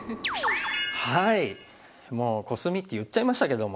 もうコスミって言っちゃいましたけども。